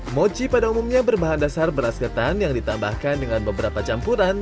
mochi pada umumnya berbahan dasar beras ketan yang ditambahkan dengan beberapa campuran